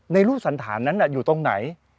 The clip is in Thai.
รูปสันฐานนั้นอยู่ตรงไหน